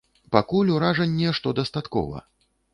Пакуль ўражанне, што дастаткова.